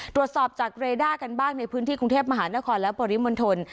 ตรวจสอบจากเรด้ากันบ้างในพื้นที่กรุงเทพมหานครและปริมณฑล